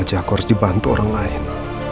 ada siapa saja yang tanda tangan